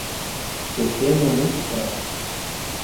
Pequeno muito fraco